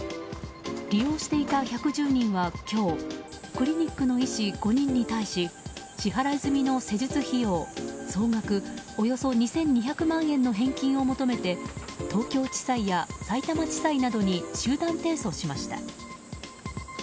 利用していた１１０人は今日クリニックの医師５人に対し支払い済みの施術費用総額およそ２２００万円の返金を求めて東京地裁やさいたま地裁などに集団提訴しました。